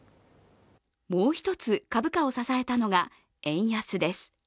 もう一つ、株価を支えたのが円安です。